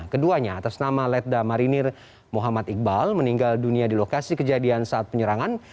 keduanya atas nama letda marinir muhammad iqbal meninggal dunia di lokasi kejadian saat penyerangan